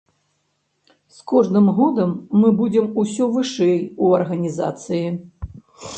З кожным годам мы будзем усё вышэй у арганізацыі.